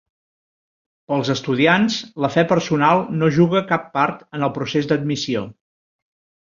Per als estudiants, la fe personal no juga cap part en el procés d'admissió.